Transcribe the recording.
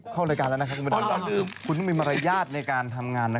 เข้ารายการแล้วนะครับคุณต้องมีมารยาทในการทำงาน